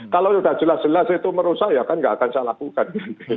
kalau sudah jelas jelas itu merusak ya kan nggak akan saya lakukan